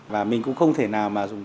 và mình cũng không thể nào mà dùng